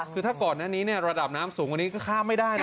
คือถ้าก่อนหน้านี้ระดับน้ำสูงกว่านี้ก็ข้ามไม่ได้นะ